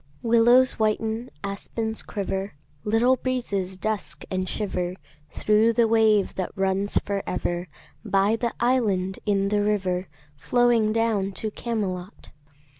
Willows whiten, aspens quiver, Little breezes dusk and shiver Thro' the wave that runs for ever By the island in the river Flowing down to Camelot.